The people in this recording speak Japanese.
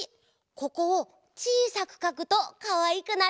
ここをちいさくかくとかわいくなるよ。